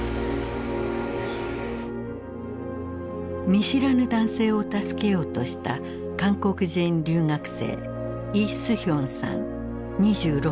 見知らぬ男性を助けようとした韓国人留学生イ・スヒョンさん２６歳。